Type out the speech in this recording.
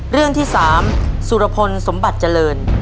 เรื่องที่๓สุรพลสมบัติเจริญ